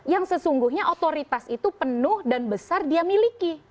yang sesungguhnya otoritas itu penuh dan besar dia miliki